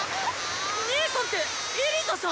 姐さんってエリザさん？